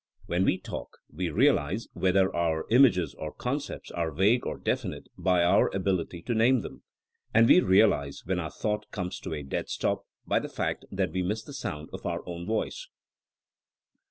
When we talk we realize whether our images or concepts are vague or definite by our ability to name them, and we realize when our thought comes to a *^ dead stop*' by the fact that we miss the sound of our own voice.